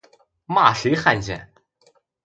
骂谁汉奸